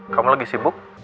kamu lagi sibuk